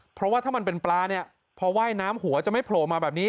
เพราะว่าถ้ามันเป็นปลาเนี่ยพอว่ายน้ำหัวจะไม่โผล่มาแบบนี้